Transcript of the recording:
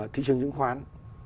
thị trường chứng khoán